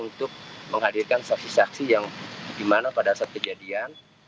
untuk menghadirkan saksi saksi yang dimana pada saat kejadian